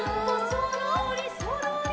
「そろーりそろり」